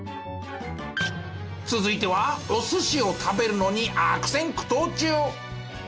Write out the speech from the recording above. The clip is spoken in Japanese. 続いてはお寿司を食べるのに悪戦苦闘中。